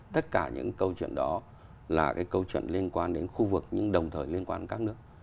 tất cả những câu chuyện đó là cái câu chuyện liên quan đến khu vực nhưng đồng thời liên quan đến các nước